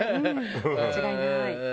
うん間違いない。